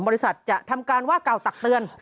บริษัทจะทำการว่ากล่าวตักเตือน